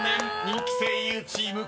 人気声優チーム